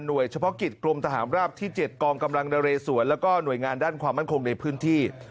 โดยเฉพาะกิจกรมทหารราบที่๗กองกำลังนเรสวนแล้วก็หน่วยงานด้านความมั่นคงในพื้นที่